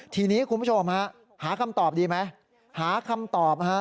ทีนี้คุณผู้ชมฮะหาคำตอบดีไหมหาคำตอบฮะ